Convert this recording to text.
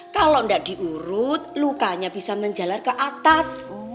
kalau tidak diurut lukanya bisa menjalar ke atas